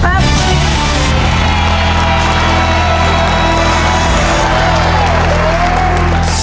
ครับ